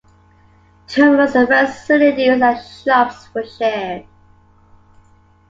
Terminals, facilities, and shops were shared.